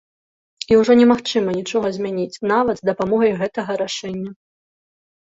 І ўжо не магчыма нічога змяніць, нават з дапамогай гэтага рашэння.